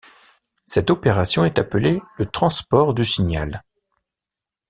Cette opération est appelée le transport du signal.